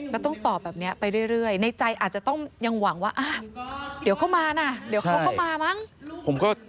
แล้วต้องตอบแบบนี้ไปเรื่อยในใจอาจจะต้องยังหวังว่าเดี๋ยวก็มานะเดี๋ยวเขาก็มามั้ง